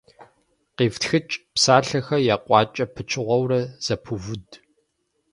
КъифтхыкӀ, псалъэхэр екъуакӀэ пычыгъуэурэ зэпывуд.